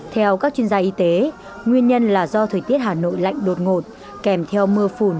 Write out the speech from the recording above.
theo các chuyên gia y tế nguyên nhân là do thời tiết hà nội lạnh đột ngột kèm theo mưa phùn